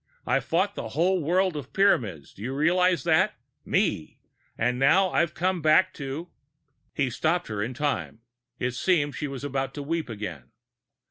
I fought a whole world of Pyramids, do you realize that? Me! And now I come back to " He stopped her in time; it seemed she was about to weep again.